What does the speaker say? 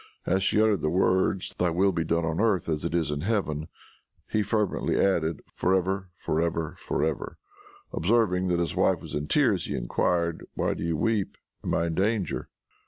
As she uttered the words "Thy will be done on earth as it is in heaven," he fervently added, "For ever, for ever, for ever." Observing that his wife was in tears he inquired, "Why do you weep? Am I in danger?"